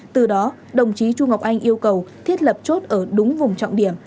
từ đó đồng chí chu ngọc anh yêu cầu thiết lập chốt ở đúng vùng trọng điểm